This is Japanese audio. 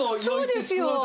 そうですよ。